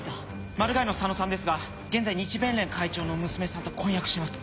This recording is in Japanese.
マルガイの佐野さんですが現在日弁連会長の娘さんと婚約してます。